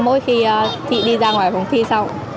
mỗi khi thị đi ra ngoài phòng thi xong